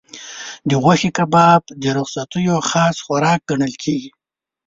د غوښې کباب د رخصتیو خاص خوراک ګڼل کېږي.